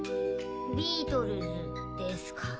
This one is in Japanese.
「ビートルズ」ですか。